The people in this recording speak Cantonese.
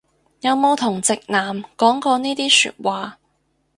有冇同直男講過呢啲説話